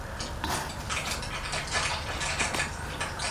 Este es un ejemplo del Efecto Oberth.